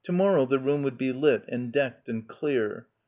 .. To morrow the room would be lit and decked and clear.